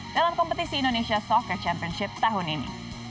dalam kompetisi indonesia soccer championship tahun ini